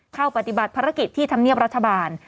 เข้าปฏิบัติภารกิจที่ธรรมเนียบรัฐบาล